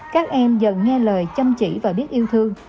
các em dần nghe lời chăm chỉ và biết yêu thương